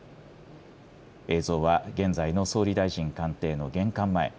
映像は現在の総理大臣官邸の玄関前。